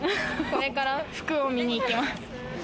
これから服を見に行きます。